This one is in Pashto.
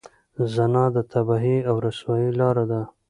زنا د تباهۍ او رسوایۍ لاره ده.